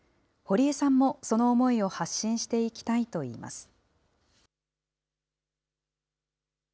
堀江さんもその思いを発信していきたいといいます。